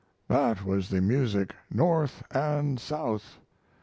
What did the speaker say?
That was the music North and South.